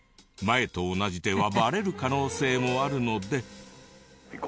前と同じではバレる可能性もあるので。